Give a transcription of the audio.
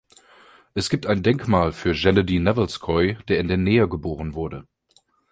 Es gibt ein Denkmal für Gennadi Nevelskoy, der in der Nähe geboren wurde.